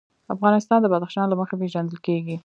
افغانستان د بدخشان له مخې پېژندل کېږي.